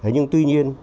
nhưng tuy nhiên